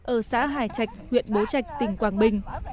ở xã hải trạch huyện bố trạch tỉnh quảng bình